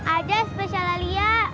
ada spesial alia